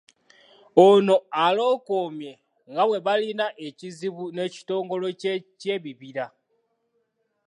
Ono alookomye nga bwe balina ekizibu n’ekitongole ky’ebibira.